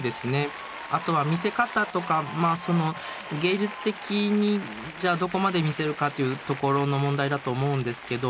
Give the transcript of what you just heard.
あとは見せ方とかまあその芸術的にじゃあどこまで見せるかというところの問題だと思うんですけど